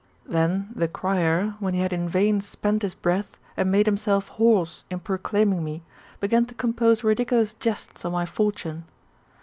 Then the crier, when he had in vain spent his breath, and made himself hoarse in proclaiming me, began to compose riduculous jests on my fortune.